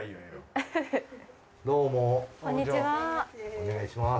お願いします。